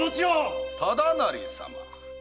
忠成様。